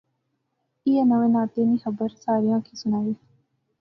ایہہ ناوے ناطے نی خبر ساریاں کی سنائی